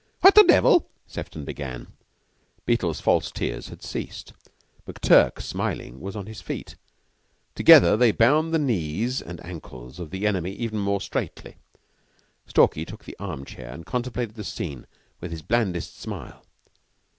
"What the devil ?" Sefton began. Beetle's false tears had ceased; McTurk, smiling, was on his feet. Together they bound the knees and ankles of the enemy even more straitly. Stalky took the arm chair and contemplated the scene with his blandest smile.